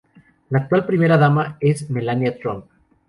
La actual primera dama es Melania Trump.